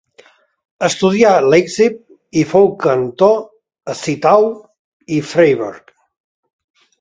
Estudià Leipzig i fou cantor a Zittau i Freiberg.